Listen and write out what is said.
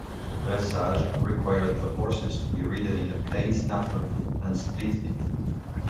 Dressage required the horses to be ridden in a plain snaffle and split bit.